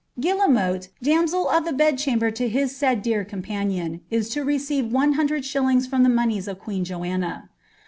^ Guillcmote, damsel of the bed chamber to his said dear companion, is to receive one hundred shillings from the moneys of queen Joanna."